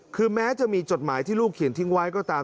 คือแม้จะมีจดหมายที่ลูกเขียนทิ้งไว้ก็ตาม